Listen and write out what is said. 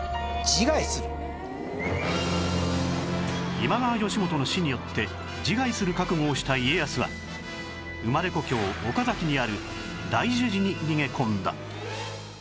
今川義元の死によって自害する覚悟をした家康は生まれ故郷岡崎にある大樹寺に逃げ込んだ